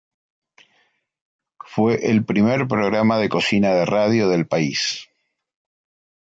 Fue el primer programa de cocina de radio del país.